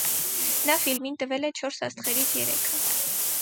Նա ֆիլմին տվել է չորս աստղերից երեքը։